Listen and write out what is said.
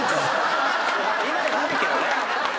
今でもあるけどね。